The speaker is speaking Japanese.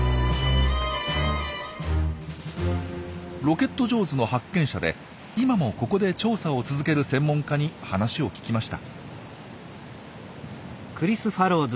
ロケット・ジョーズの発見者で今もここで調査を続ける専門家に話を聞きました。